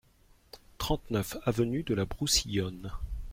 trente-neuf avenue de la Broussillonne